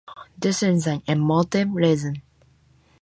This is an emotive reason.